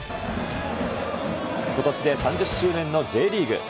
ことしで３０周年のＪリーグ。